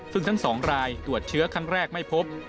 ซึ่งทั้ง๒รายตรวจเชื้อครั้งแรกไม่พบ